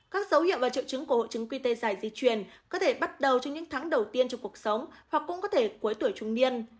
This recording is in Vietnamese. các dấu hiệu và triệu chứng của hộ trứng quy tê dài di chuyển có thể bắt đầu trong những tháng đầu tiên trong cuộc sống hoặc cũng có thể cuối tuổi trung niên